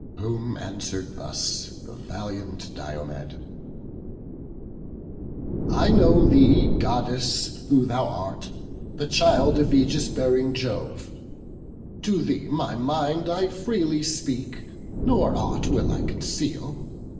Whom answer'd thus the valiant Diomed: "I know thee, Goddess, who thou art; the child Of aegis bearing Jove: to thee my mind I freely speak, nor aught will I conceal.